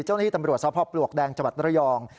เจ้าหน้าที่ตำรวจทราบพ่อปลวกแดงจบัตรระยอง